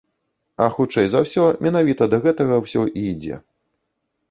А хутчэй за ўсё, менавіта да гэтага ўсё і ідзе.